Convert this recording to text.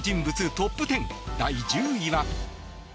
トップ１０第１０位は。